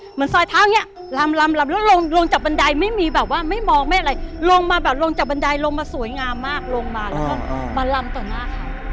เหมือนซอยเท้าอย่างนี้ลำลำแล้วลงลงจากบันไดไม่มีแบบว่าไม่มองไม่อะไรลงมาแบบลงจากบันไดลงมาสวยงามมากลงมาแล้วก็มาลำต่อหน้าเขา